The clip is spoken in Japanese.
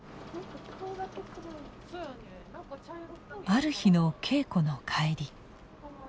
ある日の稽古の帰り。